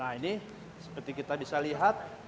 nah ini seperti kita bisa lihat